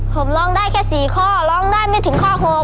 ผมลองได้แค่๔ข้อลองได้ไม่ถึงข้อ๖ครับ